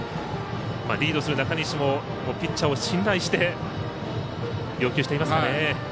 リードする中西もピッチャーを信頼して要求していますね。